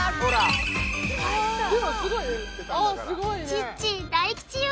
チッチ大吉よ